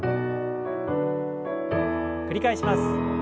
繰り返します。